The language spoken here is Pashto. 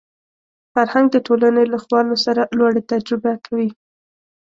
فرهنګ د ټولنې له خوالو سره لوړې تجربه کوي